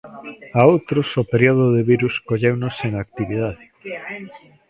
A outros o período de virus colleunos sen actividade.